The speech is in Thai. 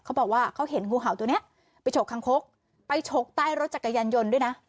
เขาบอกว่าเขาเห็นงูเห่าตัวนี้ไปฉกคังคกไปฉกใต้รถจักรยานยนต์ด้วยนะ